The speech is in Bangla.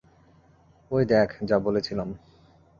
এই দেখ, যা বলেছিলাম!